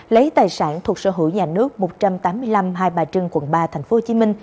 lấy tài sản thuộc sở hữu nhà nước một trăm tám mươi năm hai bà trưng quận ba tp hcm